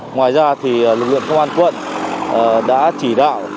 ngoài ra thì lực lượng công an quận đã chỉ đạo